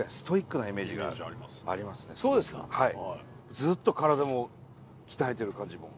ずっと体も鍛えてる感じも。